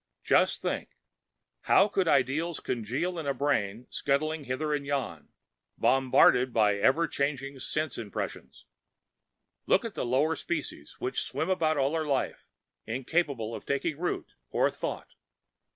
Just think how could ideas congeal in a brain shuttled hither and yon, bombarded with ever changing sense impressions? Look at the lower species, which swim about all their lives, incapable of taking root or thought!